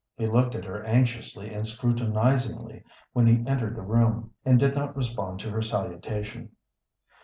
He looked at her anxiously and scrutinizingly when he entered the room, and did not respond to her salutation.